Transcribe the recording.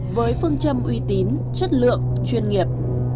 với phương châm uy tín chất lượng chuyên nghiệp